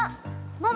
ママ。